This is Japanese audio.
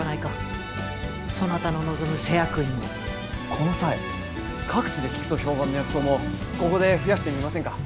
この際各地で効くと評判の薬草もここで増やしてみませんか？